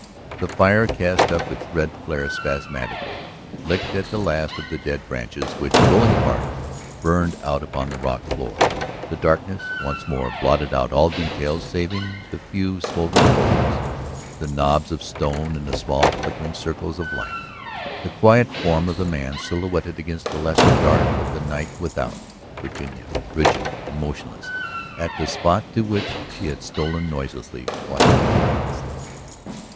The fire cast up its red flare spasmodically, licked at the last of the dead branches which, rolling apart, burned out upon the rock floor. The darkness once more blotted out all detail saving the few smouldering coals, the knobs of stone in the small flickering circles of light, the quiet form of the man silhouetted against the lesser dark of the night without. Virginia, rigid and motionless at the spot to which she had stolen noiselessly, watched him breathlessly.